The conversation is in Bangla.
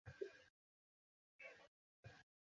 এই শব্দটি আশেপাশের একই ধরনের মানুষের ক্ষেত্রেও প্রযোজ্য ছিল।